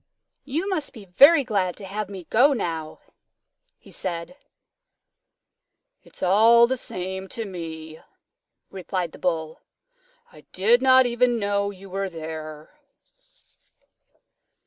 "You must be very glad to have me go now," he said. "It's all the same to me," replied the Bull. "I did not even know you were there."